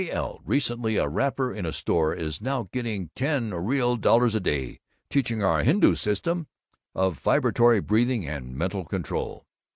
L., recently a wrapper in a store, is now getting Ten Real Dollars a day teaching our Hindu System of Vibratory Breathing and Mental Control."